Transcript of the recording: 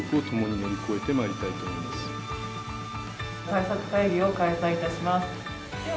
対策会議を開催いたします。